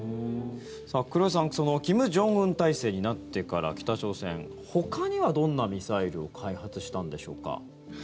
黒井さん金正恩体制になってから、北朝鮮ほかにはどんなミサイルを開発したんでしょうか。